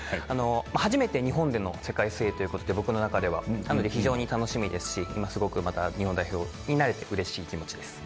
初めて日本での世界水泳という事で僕の中では非常に楽しみですしすごくまた日本代表になれて嬉しい気持ちです。